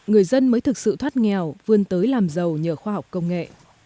người dân mới thực sự thoát nghèo vươn tới làm giàu nhờ khoa học công nghệ